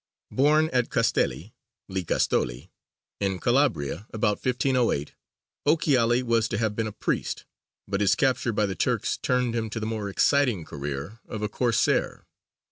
Born at Castelli (Licastoli) in Calabria about 1508, Ochiali was to have been a priest, but his capture by the Turks turned him to the more exciting career of a Corsair.